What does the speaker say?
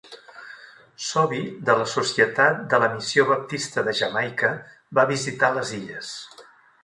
Sobey de la Societat de la Missió Baptista de Jamaica va visitar les illes.